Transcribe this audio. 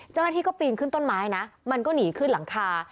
เจ้าหน้าที่ก็ปีนขึ้นต้นไม้นะมันก็หนีขึ้นหลังคา